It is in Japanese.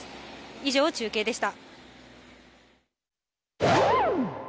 以上、中継でした。